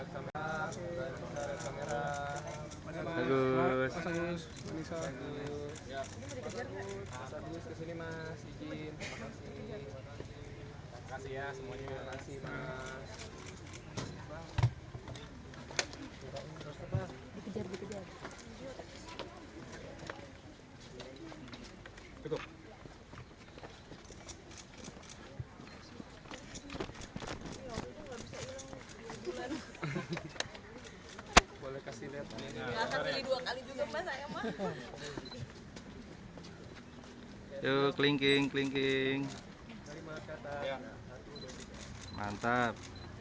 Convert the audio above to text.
hai yo yo kelingking kelinking mantap